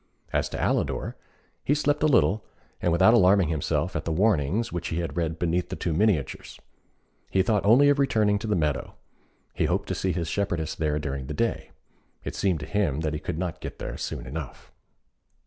As to Alidor, he slept a little, and without alarming himself at the warnings which he had read beneath the two miniatures. He thought only of returning to the meadow: he hoped to see his shepherdess there during the day. It seemed to him that he could not get there soon enough.